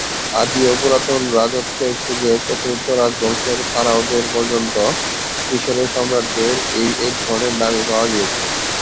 আদি ও পুরাতন রাজত্বের যুগে চতুর্থ রাজবংশের ফারাওদের পর্যন্ত মিশরের সম্রাটদের এই একধরনের নামই পাওয়া গিয়েছে।